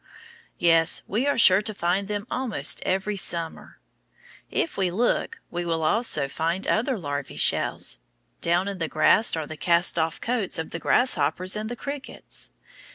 Yes, we are sure to find them almost every summer. If we look, we will also find other larvæ shells. Down in the grass are the cast off coats of the grasshoppers and the crickets.